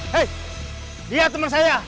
hei dia temen saya